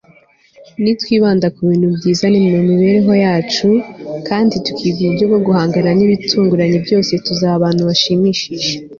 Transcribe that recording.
nitwibanda ku bintu byiza mu mibereho yacu kandi tukiga uburyo bwo guhangana n'ibitunguranye byose, tuzaba abantu bishimye